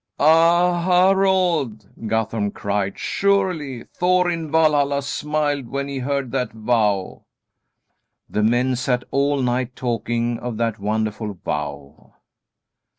"Ah, Harald!" Guthorm cried, "surely Thor in Valhalla smiled when he heard that vow." The men sat all night talking of that wonderful vow.